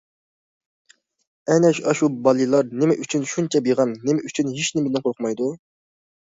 ئەنە ئاشۇ بالىلار نېمە ئۈچۈن شۇنچە بىغەم، نېمە ئۈچۈن ھېچنېمىدىن قورقمايدۇ.